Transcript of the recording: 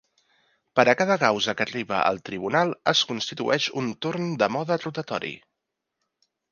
Per a cada causa que arriba al Tribunal es constitueix un torn de mode rotatori.